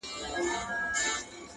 په دامنځ کي پیل هم لرو بر ځغستله؛